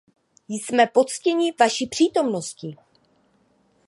Jsme poctěni vaší přítomností.